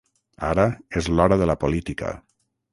Ara és l’hora de la política.